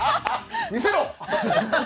見せろ！